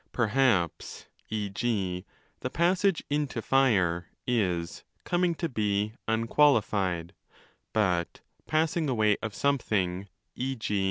Perhaps, e.g., the passage into Fire is 'coming to be' unqualified, but 'passing away of something ' (e.g.